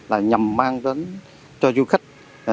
là nhằm mang đến cho du khách